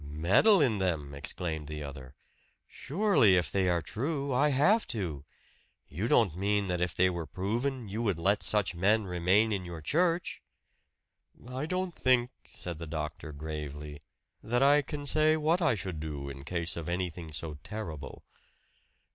"Meddle in them!" exclaimed the other. "Surely, if they are true, I have to. You don't mean that if they were proven, you would let such men remain in your church?" "I don't think," said the doctor gravely, "that I can say what I should do in case of anything so terrible."